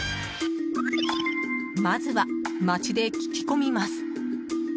まずは街で聞き込みます。